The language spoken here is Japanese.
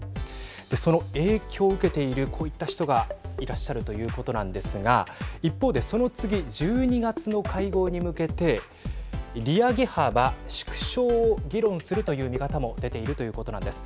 その影響を受けているこういった人がいらっしゃるということなんですが一方でその次、１２月の会合に向けて利上げ幅縮小を議論するという見方も出ているということなんです。